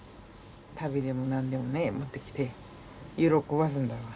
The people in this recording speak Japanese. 足袋でも何でもね持ってきて喜ばすんだわ。